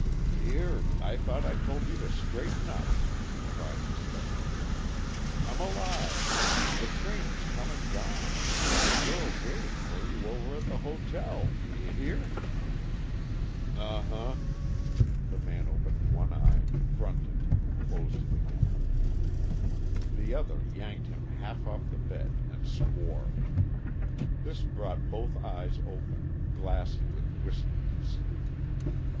"Here! I thought I told you to straighten up," he cried disgustedly. "Come alive! The train's come and gone, and your girl's waiting for you over to the hotel. D' you hear?" "Uh huh!" The man opened one eye, grunted, and closed it again. The other yanked him half off the bed, and swore. This brought both eyes open, glassy with whisky and sleep.